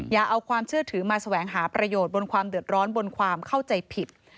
อย่าเอาความเชื่อถือมาแสวงหาประโยชน์บนความเดือดร้อนบนความเข้าใจผิด